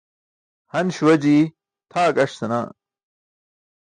Han śuwa jii tʰaa gaṣ senaa.